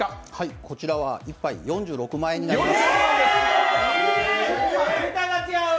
こちらは１杯４６万円になります